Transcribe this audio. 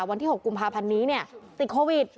วันที่๖กุมภาพันธ์นี้ติดโควิด